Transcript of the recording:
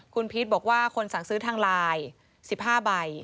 คุณพีชบอกว่าคนสั่งซื้อทางไลน์๑๕ใบ